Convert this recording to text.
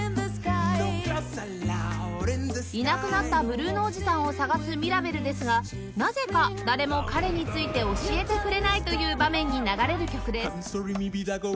いなくなったブルーノおじさんを捜すミラベルですがなぜか誰も彼について教えてくれないという場面に流れる曲です